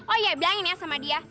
oh iya blain ya sama dia